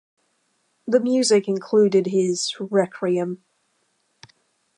The music included his "Requiem".